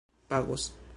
pagos